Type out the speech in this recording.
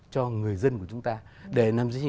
cho người dân của chúng ta